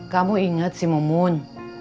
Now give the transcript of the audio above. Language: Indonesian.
kamu ingat sih momun